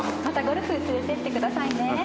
またゴルフ連れてってくださいね。